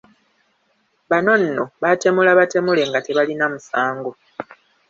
Bano nno baatemula batemule nga tebalina musango.